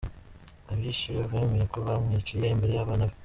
Abishe bemeye ko bamwiciye imbere y’abana be